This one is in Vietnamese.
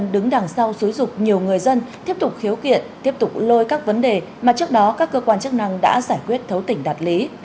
đứng đằng sau xúi dục nhiều người dân tiếp tục khiếu kiện tiếp tục lôi các vấn đề mà trước đó các cơ quan chức năng đã giải quyết thấu tỉnh đạt lý